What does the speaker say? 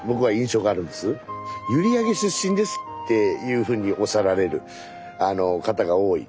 閖上出身ですっていうふうにおっしゃられる方が多い。